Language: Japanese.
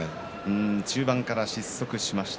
中盤から失速しました。